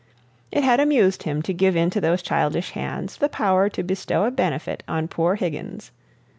It had amused him to give into those childish hands the power to bestow a benefit on poor Higgins.